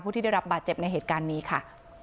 ที่ได้รับบาดเจ็บในเหตุการณ์นี้ค่ะ